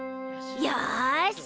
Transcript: よし！